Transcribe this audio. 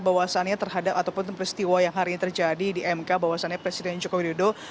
bahwasannya terhadap ataupun peristiwa yang hari ini terjadi di mk bahwasannya presiden joko widodo